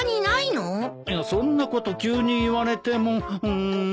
いやそんなこと急に言われてもうーん。